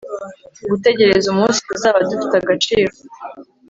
gutegereza umunsi tuzaba dufite agaciro